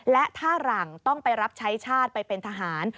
และถ้าหลังต้องไปรับใช้ชาติไปเป็นทหาร